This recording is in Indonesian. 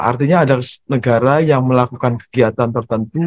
artinya ada negara yang melakukan kegiatan tertentu